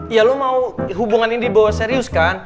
ya lo mau hubungan ini dibawa serius kan